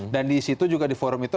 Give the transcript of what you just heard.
dan di situ juga di forum itu